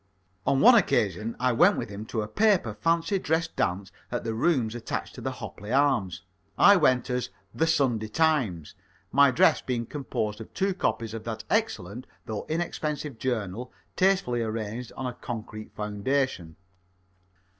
On one occasion I went with him to a paper fancy dress dance at the rooms attached to the Hopley Arms. I went as "The Sunday Times," my dress being composed of two copies of that excellent, though inexpensive journal, tastefully arranged on a concrete foundation.